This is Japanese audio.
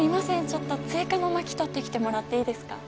ちょっと追加の薪取ってきてもらっていいですか？